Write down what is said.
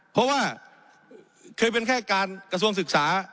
เพราะว่าเคยเป็นแค่การกระทรวงศึกษา